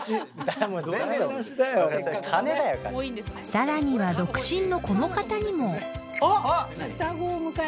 ［さらには独身のこの方にも］何？